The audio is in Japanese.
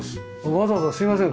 わざわざすいません。